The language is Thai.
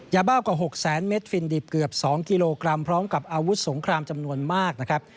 ยาบ้ากว่า๖แสนเมตรฟินดิบเกือบ๒กิโลกรัมพร้อมกับอาวุธสงครามจำนวนมากนะครับ